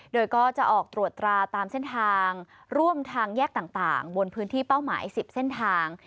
โดยก็จะออกตรวจตราตามเส้นทางร่วมทางแยกต่างบนพื้นที่เป้าหมาย๑๐เส้นทาง